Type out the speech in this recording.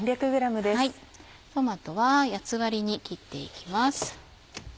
トマトは８つ割りに切っていきます。